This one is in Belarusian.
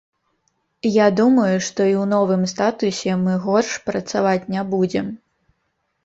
Я думаю, што і ў новым статусе мы горш працаваць не будзем.